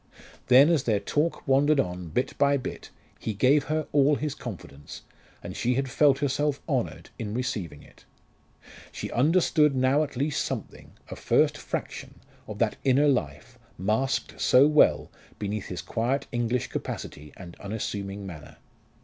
Then, as their talk wandered on, bit by bit, he gave her all his confidence, and she had felt herself honoured in receiving it. She understood now at least something a first fraction of that inner life, masked so well beneath his quiet English capacity and unassuming manner.